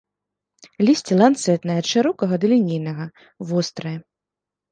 Лісце ланцэтнае, ад шырокага да лінейнага, вострае.